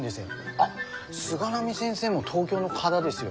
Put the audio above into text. あっ菅波先生も東京の方ですよ。